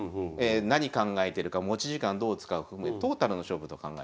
何考えてるか持ち時間どう使うかというトータルの勝負と考えてる。